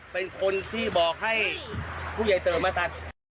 เป็นคนที่บอกให้ผู้ใหญ่เต๋อมาตัด